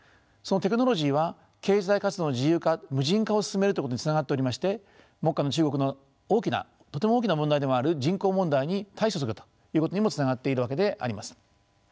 そのテクノロジーは経済活動の自由化無人化を進めるということにつながっておりまして目下の中国の大きなとても大きな問題でもある人口問題に対処するということにもつながっているわけであります。